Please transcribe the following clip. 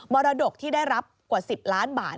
รดกที่ได้รับกว่า๑๐ล้านบาท